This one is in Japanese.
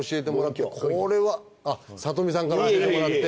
これはあっ里見さんから教えてもらって。